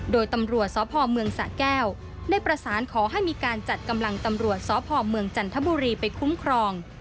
โดยตำรวจสพเมืองสะแก้วได้ประสานขอให้มีการจัดกำลังตำรวจสพเมืองจันทบุรีไปคุ้มครอง